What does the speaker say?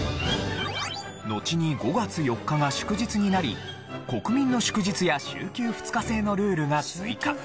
のちに５月４日が祝日になり国民の祝日や週休２日制のルールが追加。